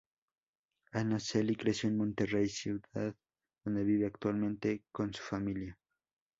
Ana Celia creció en Monterrey, ciudad donde vive actualmente con su familia.